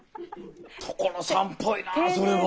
所さんっぽいなそれも。